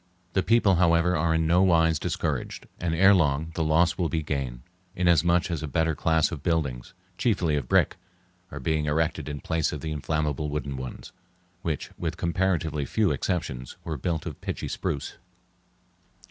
The people, however, are in no wise discouraged, and ere long the loss will be gain, inasmuch as a better class of buildings, chiefly of brick, are being erected in place of the inflammable wooden ones, which, with comparatively few exceptions, were built of pitchy spruce.